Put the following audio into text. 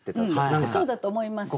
そうだと思います。